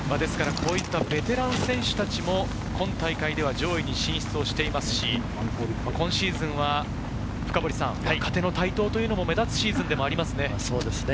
こういったベテラン選手たちも今大会では上位に進出していますし、今シーズンは若手の台頭も目立つシーズンでもありますね。